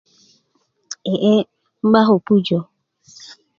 eee nan a ko pujö